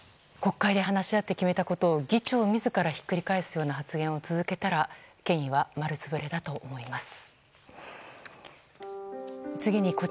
国会で話し合って決めたことを議長自らひっくり返すようなことを発言をしては権威は丸つぶれだと思います。